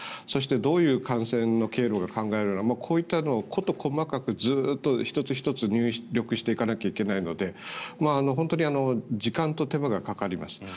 そして、どういう感染の経路が考えられるのかこういったのを事細かくずっと１つ１つ入力していかなきゃいけないので本当に時間と手間がかかります。